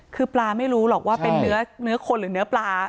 คือปลาไม่รู้หรอกว่าเป็นเนื้อคนหรือเนื้อปลา